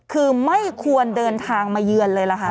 คือไม่ควรเดินทางมาเยือนเลยล่ะค่ะ